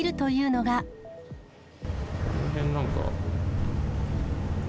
このへんなんか。